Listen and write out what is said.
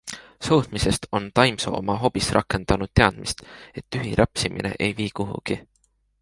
Sõudmisest on Taimsoo oma hobis rakendanud teadmist, et tühi rapsimine ei vii kuhugi.